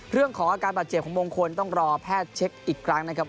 เรื่องของอาการบาดเจ็บของมงคลต้องรอแพทย์เช็คอีกครั้งนะครับ